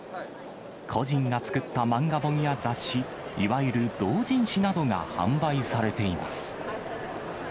個人が作った漫画本や雑誌、いわゆる同人誌などが販売されています。